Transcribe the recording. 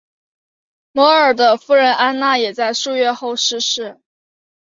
摩尔的夫人安娜也在数月后逝世。